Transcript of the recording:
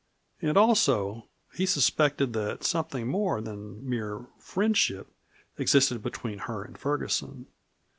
And also, he suspected that something more than mere friendship existed between her and Ferguson.